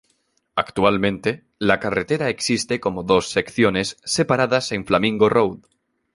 Actualmente la carretera existe como dos secciones separadas en Flamingo Road.